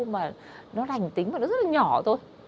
mà nó đành tính và nó rất là nhỏ thôi